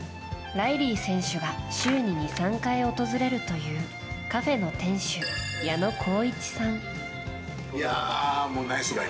ライリー選手が週に２３回訪れるというカフェの店主、矢野浩一さん。